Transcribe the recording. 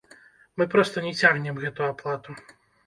Мы проста не цягнем гэту аплату.